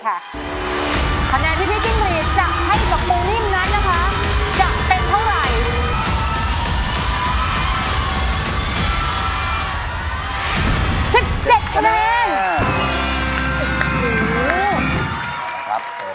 คะแนนที่พี่จิ้งรีดจะให้กับปูนิ่มนั้นนะคะจะเป็นเท่าไหร่